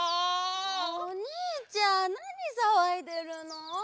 おにいちゃんなにさわいでるの？